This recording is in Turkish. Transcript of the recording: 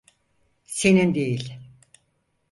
Senin değil.